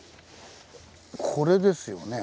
これですよね？